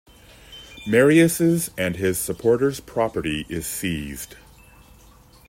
Marius's and his supporter's property is seized.